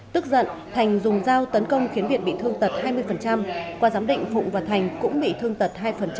tức giận thành dùng dao tấn công khiến việt bị thương tật hai mươi qua giám định phụng và thành cũng bị thương tật hai